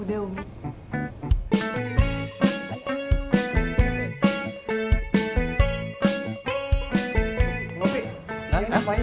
umi disini apaan sih